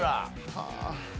はあ。